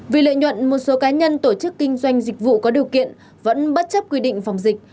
vì lợi nhuận một số cá nhân tổ chức kinh doanh dịch vụ có điều kiện vẫn bất chấp quy định phòng dịch